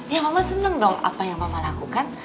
ya mama senang dong apa yang mama lakukan